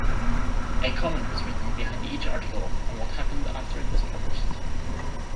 A comment was written behind each article on what happened after it was published.